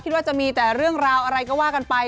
คิดว่าจะมีแต่เรื่องราวอะไรก็ว่ากันไป